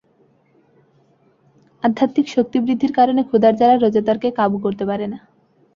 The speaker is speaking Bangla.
আধ্যাত্মিক শক্তি বৃদ্ধির কারণে ক্ষুধার জ্বালা রোজাদারকে কাবু করতে পারে না।